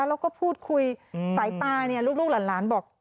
แล้วก็พูดคุยสายตาเนี่ยลูกหลานบอก